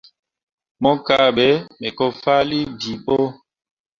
Mo kahɓe me ko fahlii bii ɓo.